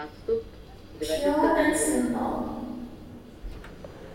Pure and simple.